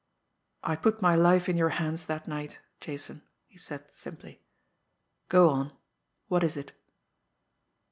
"I put my life in your hands that night, Jason," he said simply. "Go on. What is it?"